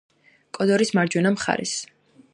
კოდორის მარჯვენა მხარეს.